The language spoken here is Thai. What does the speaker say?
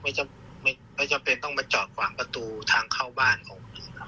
ไม่จำเป็นต้องมาจอดขวางประตูทางเข้าบ้านผมครับ